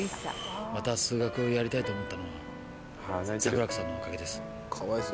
「また数学をやりたいと思ったのは桜子さんのおかげです」